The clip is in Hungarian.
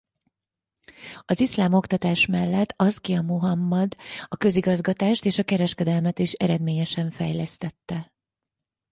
Az iszlám oktatás mellett Aszkia Muhammad a közigazgatást és a kereskedelmet is eredményesen fejlesztette.